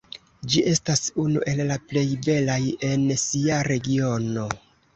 Ĝi estas unu el la plej belaj en sia regiono.